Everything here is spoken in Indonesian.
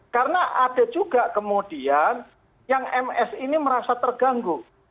karena ada juga kemudian yang ms ini merasa terganggu